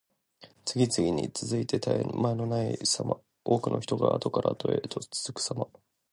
次々に続いて絶え間のないさま。多くの人があとからあとへと続くさま。